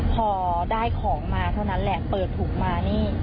พอได้ของมาเท่านั้นแหละเปิดถุงมานี่